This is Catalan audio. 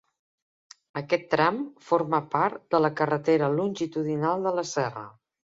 Aquest tram forma part de la Carretera Longitudinal de la Serra.